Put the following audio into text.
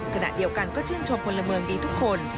ขณะเดียวกันก็ชื่นชมพลเมืองดีทุกคน